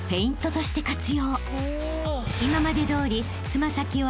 ［今までどおり］